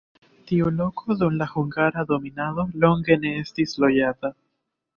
Tiu loko dum la hungara dominado longe ne estis loĝata.